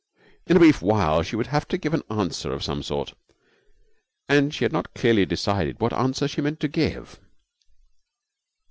In a brief while she would have to give an answer of some sort, and she had not clearly decided what answer she meant to give.